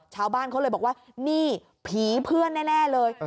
ชาวบ้านเขาเลยบอกว่านี่ผีเพื่อนแน่เลย